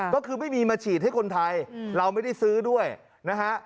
ก็คือไม่มีมาฉีดให้คนไทยเราไม่ได้ซื้อด้วยนะฮะ